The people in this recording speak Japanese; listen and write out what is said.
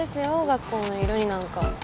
学校の色になんか。